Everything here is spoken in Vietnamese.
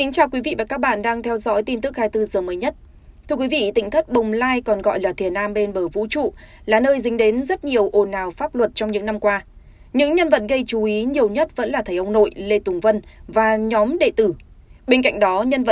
các bạn hãy đăng ký kênh để ủng hộ kênh của chúng mình nhé